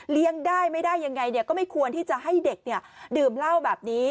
ได้ไม่ได้ยังไงก็ไม่ควรที่จะให้เด็กดื่มเหล้าแบบนี้